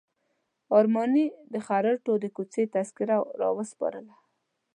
ارماني د خروټو د کوڅې تذکره راوسپارله.